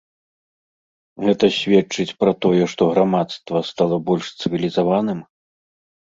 Гэта сведчыць пра тое, што грамадства стала больш цывілізаваным?